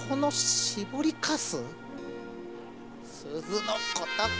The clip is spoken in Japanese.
すずのことか！？